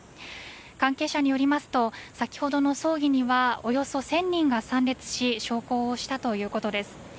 関係者によりますと先ほどの葬儀にはおよそ１０００人が参列し焼香したということです。